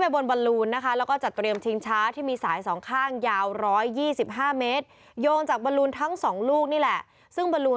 ๖๒๕เมตรโยงจากบาลูนทั้งสองลูกนี่แหละซึ่งบาลูน